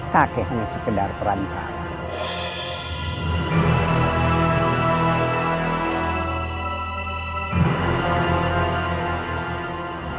kakek hanya sekedar perangkap